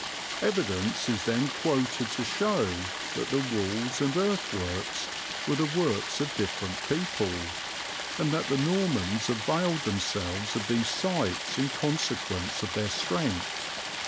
Evidence is then quoted to show that the walls and earthworks were the works of different people, and that the Normans availed themselves of these sites in consequence of their strength.